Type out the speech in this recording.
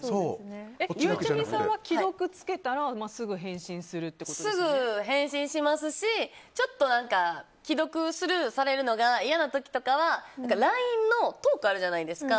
ゆうちゃみさんは既読つけたらすぐ返信しますしちょっと、既読スルーされるのが嫌な時とかはＬＩＮＥのトークあるじゃないですか。